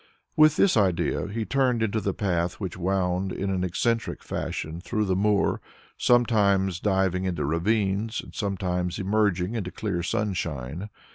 With this idea he turned into the path which wound in an eccentric fashion through the moor, sometimes diving into ravines, and sometimes emerging into clear sunshine.